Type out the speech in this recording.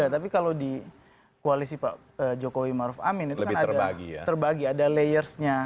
tapi kalau di koalisi pak jokowi maruf amin itu kan ada terbagi ada layersnya